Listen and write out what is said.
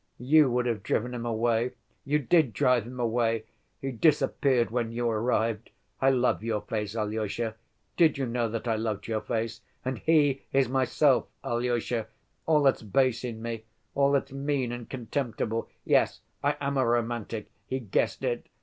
You would have driven him away. You did drive him away: he disappeared when you arrived. I love your face, Alyosha. Did you know that I loved your face? And he is myself, Alyosha. All that's base in me, all that's mean and contemptible. Yes, I am a romantic. He guessed it